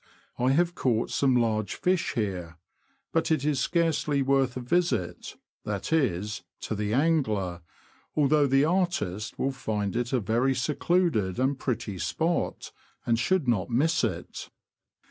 I have caught some large fish here ; but it is scarcely worth a visit — that is, to the angler, although the artist will find it a very secluded and pretty spot, and should not miss it.